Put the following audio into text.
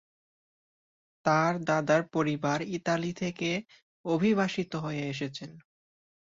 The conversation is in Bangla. তার দাদার পরিবার ইতালি থেকে অভিবাসিত হয়ে এসেছেন।